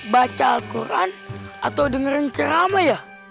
baca al quran atau dengerin cerama ya